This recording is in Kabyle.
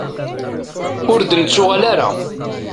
Ur d-nettuɣal ara.